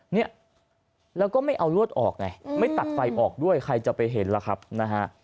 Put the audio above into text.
เนี่ยแล้วก็ไม่เอาลวดออกไงไม่ตัดไฟออกด้วยใครจะไปเห็นล่ะครับนะฮะ